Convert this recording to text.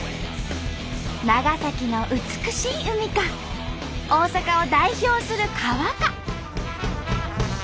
長崎の美しい海か大阪を代表する川か。